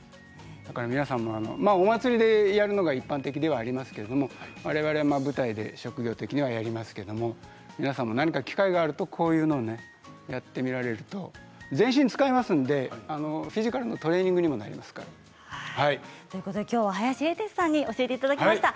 皆さんも、お祭りでやるのが一般的ではありますけどわれわれは舞台で職業的にはやっていますけど皆さんも機会があるとこういうことをやってみられると全身を使いますのでフィジカルのトレーニングにもきょうは林英哲さんに教えていただきました。